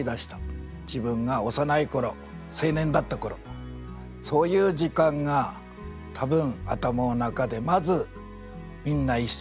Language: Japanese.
自分が幼い頃青年だった頃そういう時間が多分頭の中でまずみんな一緒になった。